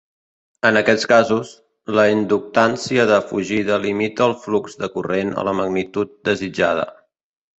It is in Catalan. En aquests casos, la inductància de fugida limita el flux de corrent a la magnitud desitjada.